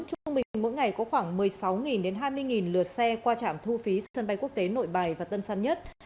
trung bình mỗi ngày có khoảng một mươi sáu hai mươi lượt xe qua trạm thu phí sân bay quốc tế nội bài và tân sân nhất